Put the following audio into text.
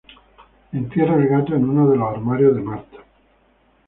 Entierra al gato en uno de los armarios de Martha.